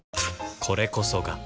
これこそが